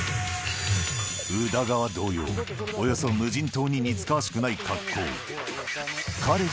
宇田川同様、およそ無人島に似つかわしくない格好。